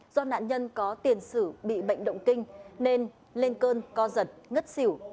do nạn nhân có tiền sử bị bệnh động kinh nên lên cơn co giật ngất xỉu